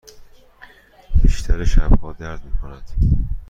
بیشتر شبها درد می کند.